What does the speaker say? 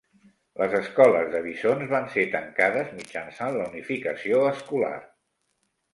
Les escoles de bisons van ser tancades mitjançant la unificació escolar.